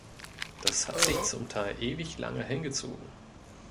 Das hat sich zum Teil ewig lange hingezogen.